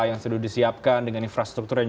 yang sudah disiapkan dengan infrastruktur yang